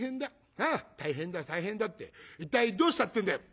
なあ大変だ大変だって一体どうしたっていうんだよ」。